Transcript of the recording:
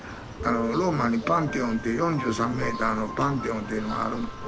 ローマにパンテオンっていう４３メーターのパンテオンっていうのがあるの。